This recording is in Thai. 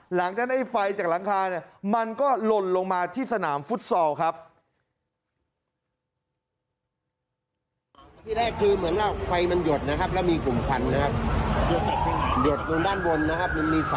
ไอ้ไฟจากหลังคามันก็หล่นลงมาที่สนามฟุตซอลครับ